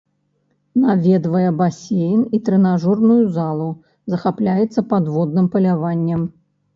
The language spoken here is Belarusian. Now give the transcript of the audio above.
Наведвае басейн і трэнажорную залу, захапляецца падводным паляваннем.